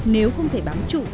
nếu không thể bám chủ